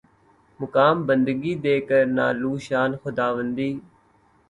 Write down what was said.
مقام بندگی دے کر نہ لوں شان خداوندی